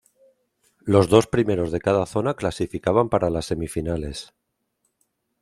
Los dos primeros de cada zona clasificaban para las semifinales.